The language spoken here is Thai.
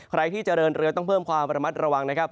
ใครที่เจริญเรือต้องเพิ่มความระมัดระวังนะครับ